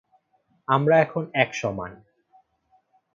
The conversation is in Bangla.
আমরা এখন এক সমান।